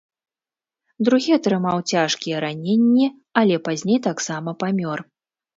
Другі атрымаў цяжкія раненні, але пазней таксама памёр.